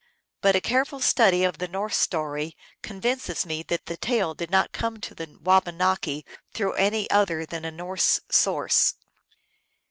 But a careful study of the Norse story convinces me that the tale did not come to the Wabanaki through any other than a Norse source.